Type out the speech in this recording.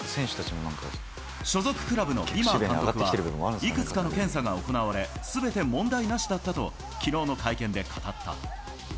所属クラブのビマー監督はいくつかの検査が行われ、すべて問題なしだったと、きのうの会見で語った。